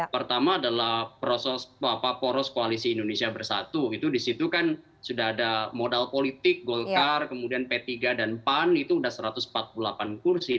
pertama adalah poros koalisi indonesia bersatu itu disitu kan sudah ada modal politik golkar kemudian p tiga dan pan itu sudah satu ratus empat puluh delapan kursi